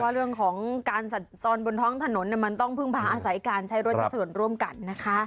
เรื่องของการสัดซ้อนบนท้องถนนมันต้องพึ่งพาอาศัยการใช้รถใช้ถนนร่วมกันนะคะ